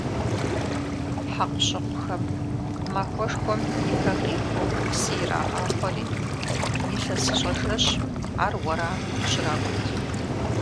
Хьэкъущыкъухэм махуэшхуэм и пэ къихуэу псы ирагъахъуэри, илъэсыщӀэ жэщым ар уэрамым щракӀут.